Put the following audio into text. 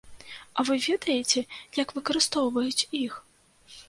А вы ведаеце, як выкарыстоўваюць іх?